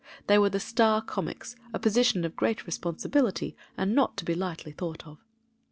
They were the star comics: a position of great responsibility and not to be lightly thought of.